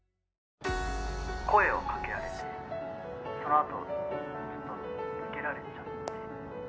「声を掛けられてそのあとずっとつけられちゃって」